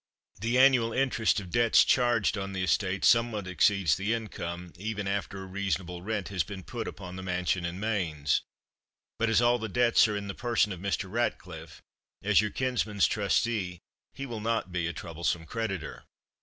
The annual interest of debts charged on the estate somewhat exceeds the income, even after a reasonable rent has been put upon the mansion and mains. But as all the debts are in the person of Mr. Ratcliffe, as your kinsman's trustee, he will not be a troublesome creditor.